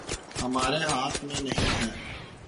ہمارے ہاتھ میں نہیں ہے